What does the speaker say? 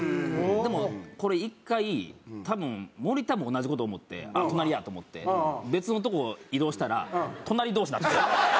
でもこれ１回多分森田も同じ事思ってあっ隣や！と思って別の所移動したら隣同士になって。